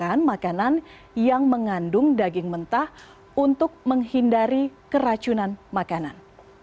walaupun mereka tidak diizinkan menghidangkan makanan yang mengandung daging mentah untuk menghindari keracunan makanan